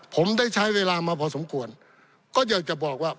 ผมได้ใช้เวลามาพอสมควรก็อยากจะบอกว่า